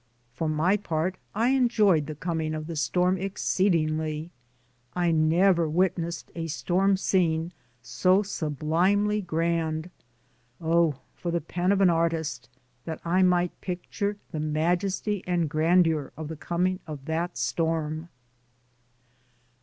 For my part I enjoyed the coming of the storm ex ceedingly. I never witnessed a storm scene so sublimely grand. Oh, for the pen of an 94 DAYS ON THE ROAD. artist, that I might picture the majesty and grandeur of the coming of that storm.